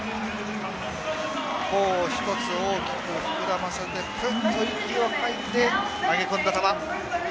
頬を大きく１つ膨らませてクッと息を吐いて投げ込んだ球。